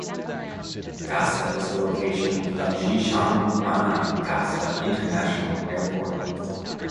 Gasa is the location of Xishuangbanna Gasa International Airport.